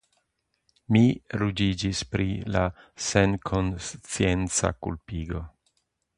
Mi ruĝiĝis pri la senkonscienca kulpigo.